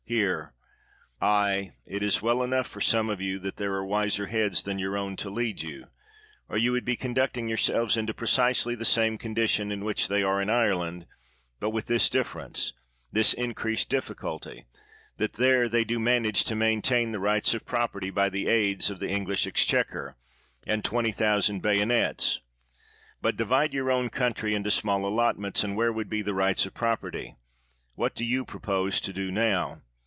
[Hear!] Aye, it is well enough for some of you that there are wiser heads than your own to lead you, or you would be conduct ing yourselves into precisely the same condition in which they are in Ireland, but with this dif ference — this increased difficulty — that there 173 THE WORLD'S FAMOUS ORATIONS they do manage to maintain the rights of prop erty by the aid of the English Exchequer and 20,000 baj'onets; but di\ide your ovra country into small allotments, and where would be the rights of property? What do you propose to do now?